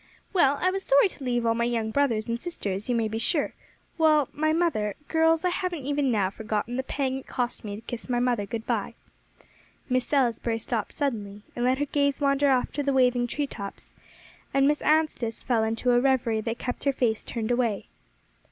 Well, I was sorry to leave all my young brothers and sisters, you may be sure, while my mother girls, I haven't even now forgotten the pang it cost me to kiss my mother good bye." Miss Salisbury stopped suddenly, and let her gaze wander off to the waving tree tops; and Miss Anstice fell into a revery that kept her face turned away.